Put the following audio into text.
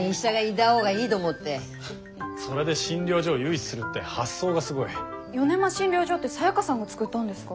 それで診療所を誘致するって発想がすごい。よねま診療所ってサヤカさんが作ったんですか？